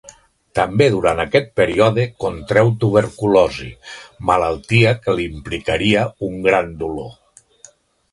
També durant aquest període contreu tuberculosi, malaltia que li implicaria un gran dolor.